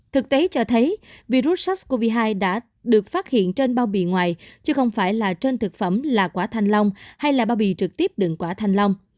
thực tế cho thấy virus sars cov hai đã được phát hiện trên bao bì ngoài chứ không phải là trên thực phẩm là quả thanh long hay là bao bì trực tiếp đựng quả thanh long